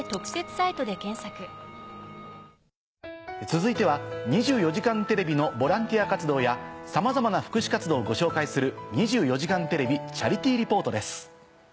続いては『２４時間テレビ』のボランティア活動やさまざまな福祉活動をご紹介する。